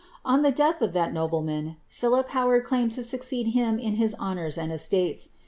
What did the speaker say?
On the death of that nobleman, Philip Howard claimed to succeed him in his honours and estates.